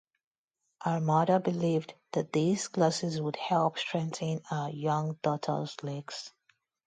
Her mother believed that these classes would help strengthen her young daughter's legs.